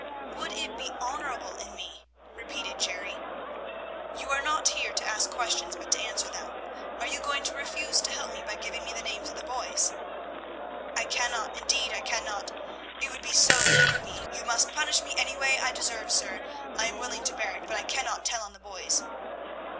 "Would it be honorable in me?" repeated Jerry. "You are not here to ask questions, but to answer them. Are you going to refuse to help me by giving me the names of the boys?" "I cannot, indeed I cannot; it would be so mean in me. You must punish me any way I deserve, sir; I am willing to bear it; but I cannot tell on the boys."